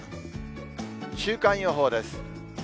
週間予報です。